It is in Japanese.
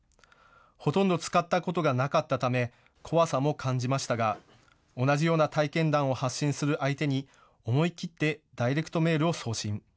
ほとんど使ったことがなかったため怖さも感じましたが同じような体験談を発信する相手に思い切ってダイレクトメールを送信。